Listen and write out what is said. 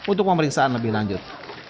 untuk pemeriksaan lebih lanjut